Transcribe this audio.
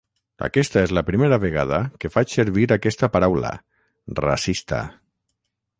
Aquesta és la primera vegada que faig servir aquesta paraula: ‘racista’.